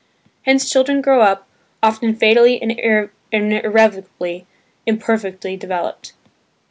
Hence children grow up, often fatally and irrevocably, imperfectly developed.